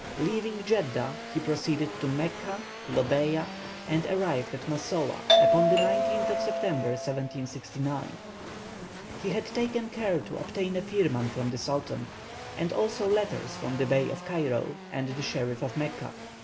Leaving Djedda he proceeded to Mecca, Lobheia, and arrived at Massowah upon the 19th September, 1769. He had taken care to obtain a firman from the Sultan, and also letters from the Bey of Cairo, and the Sheriff of Mecca.